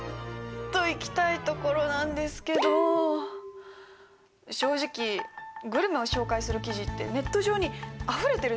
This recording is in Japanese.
といきたいところなんですけど正直グルメを紹介する記事ってネット上にあふれてるじゃないですか。